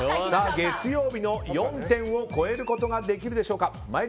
月曜日の４点を超えることができるでしょうか？